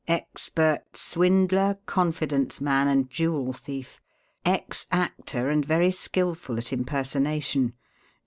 Expert swindler, confidence man and jewel thief. Ex actor and very skilful at impersonation.